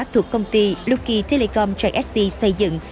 thuộc công ty lucky telecom jsc xây dựng